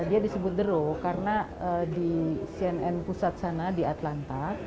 dia disebut the row karena di cnn pusat sana di atlanta